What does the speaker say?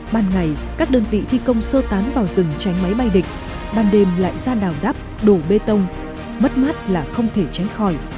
ban ngày các đơn vị thi công sơ tán vào rừng tránh máy bay địch ban đêm lại ra đào đắp đổ bê tông mất mát là không thể tránh khỏi